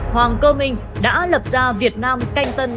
hoàng cơ minh đã lập ra việt nam canh tân